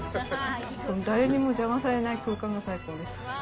誰にも邪魔されない空間が最高です。